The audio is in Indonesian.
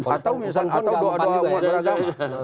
atau misalnya doa muat beragama